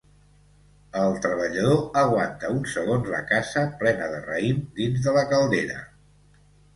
El treballador aguanta uns segons la cassa plena de raïm dins de la caldera.